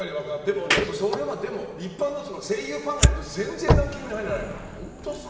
でも、それは一般の声優ファンがやると全然ランキングに入らないから。